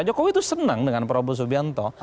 jokowi itu senang dengan prabowo subianto